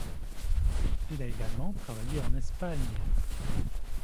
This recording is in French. Il a également travaillé en Espagne.